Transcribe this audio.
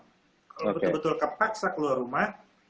kalau betul betul kepaksa keluar rumah